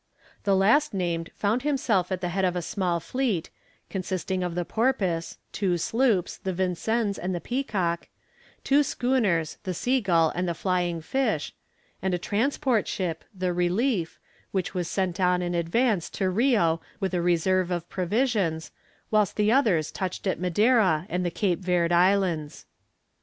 The last named found himself at the head of a small fleet, consisting of the Porpoise, two sloops, the Vincennes and the Peacock; two schooners, the Sea Gull and the Flying Fish; and a transport ship, the Relief, which was sent on in advance to Rio with a reserve of provisions, whilst the others touched at Madeira, and the Cape Verd Islands.